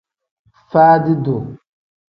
Faadi-duu.